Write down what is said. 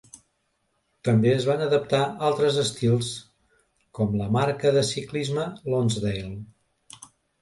També es van adaptar altres estils com la marca de ciclisme Lonsdale.